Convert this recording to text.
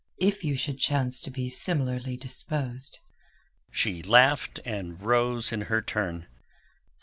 If you should chance to be similarly disposed...." She laughed, and rose in her turn.